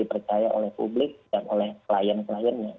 dipercaya oleh publik dan oleh klien kliennya